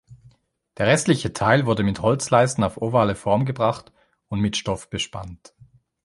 Der restliche Teil wurde mit Holzleisten auf ovale Form gebracht und mit Stoff bespannt.